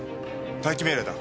待機命令だ。